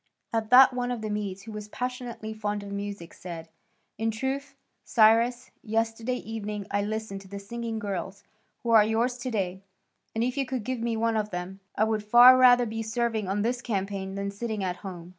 At that one of the Medes who was passionately fond of music said, "In truth, Cyrus, yesterday evening I listened to the singing girls who are yours to day, and if you could give me one of them, I would far rather be serving on this campaign than sitting at home."